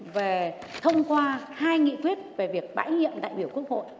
về thông qua hai nghị quyết về việc bãi nhiệm đại biểu quốc hội